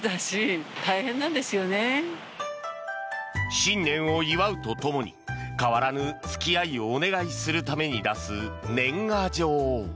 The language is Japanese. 新年を祝うとともに変わらぬ付き合いをお願いするために出す年賀状。